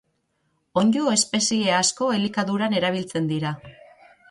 Onddo-espezie asko elikaduran erabiltzen dira